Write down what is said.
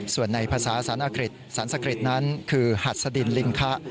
ส่วนในภาษาสรรคฤษสรรษคฤษนั้นคือหัสดิลิงคะ